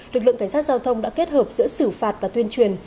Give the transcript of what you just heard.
lực lượng cảnh sát giao thông đã kết hợp giữa xử phạt và tuyên truyền